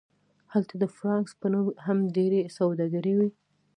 هلته د فرانکس په نوم هم ډیرې سوداګرۍ وې